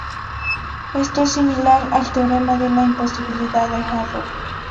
Esto es similar al Teorema de imposibilidad de Arrow.